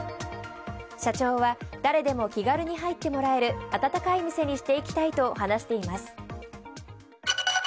社長は誰でも気軽に入ってもらえる温かい店にしていきたいと話しています。